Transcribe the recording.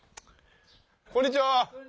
こんにちは。